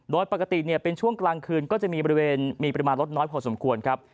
รถปกติเป็นช่วงกลางคืนก็จะมีปริมาณรถน้อยพอสมควรครับ